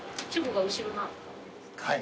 はい。